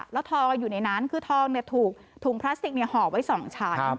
แล้วทองอยู่ในนั้นคือทองถูกถุงพลาสติกห่อไว้๒ชั้น